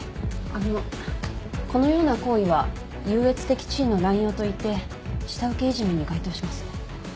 あのこのような行為は優越的地位の濫用といって下請けいじめに該当します。